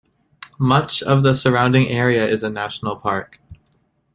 Much of the surrounding area is a National Park.